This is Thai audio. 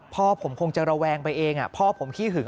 พ่อผมคงจะระแวงไปเองพ่อผมขี้หึง